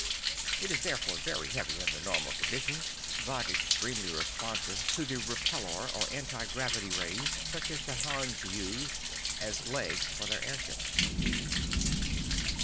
It is therefore very heavy under normal conditions but extremely responsive to the repellor or anti gravity rays, such as the Hans use as "legs" for their airships.